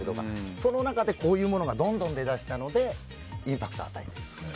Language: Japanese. その中で、こういうものがどんどん出だしたのでインパクトを与えた。